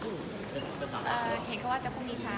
ก็แหงก็ว่าจะพรุ่งนี้เช้า